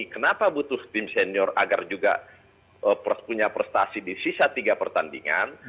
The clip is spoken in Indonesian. kenapa butuh tim senior agar juga punya prestasi di sisa tiga pertandingan